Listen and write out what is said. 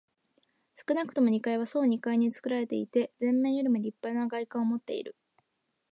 少なくとも二階は総二階につくられていて、前面よりもりっぱな外観をもっている。